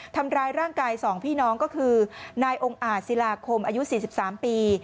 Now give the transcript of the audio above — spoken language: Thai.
ทำร้ายร่างกาย๒พี่น้องก็คือนายองค์อาจศิลาคมอายุ๔๓ปี